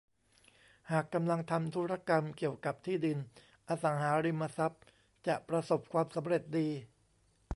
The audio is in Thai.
หากกำลังทำธุรกรรมเกี่ยวกับที่ดิน อสังหาริมทรัพย์ จะประสบความสำเร็จดี